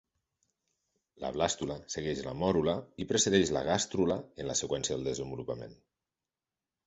La blàstula segueix la mòrula i precedeix la gàstrula en la seqüència de desenvolupament.